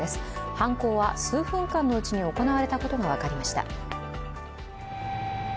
犯行は数分間のうちに行われたことが分かりました。